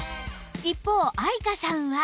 一方愛華さんは